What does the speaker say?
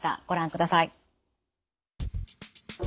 ご覧ください。